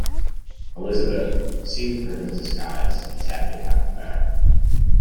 Elizabeth, seeing through his disguise, is happy to have him back.